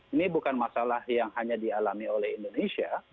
ini bukan masalah yang hanya dialami oleh indonesia